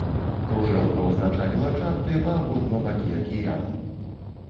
Кружэлка ўзначаліла чарты па абодва бакі акіяну.